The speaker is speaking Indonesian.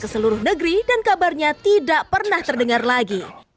ke seluruh negeri dan kabarnya tidak pernah terdengar lagi